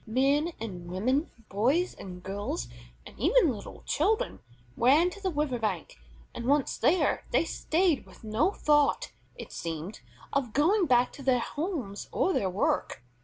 Men and women, boys and girls, and even little children, ran to the river bank: and, once there, they stayed, with no thought, it seemed, of going back to their homes or their work.